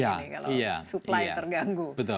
kalau supply terganggu